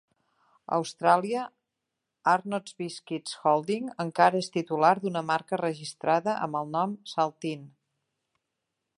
A Austràlia, Arnott's Biscuits Holdings encara és titular d'una marca registrada amb el nom "Saltine".